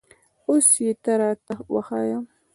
اوس یې ته را ته وښیه